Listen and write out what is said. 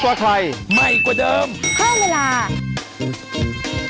โปรดติดตามตอนต่อไป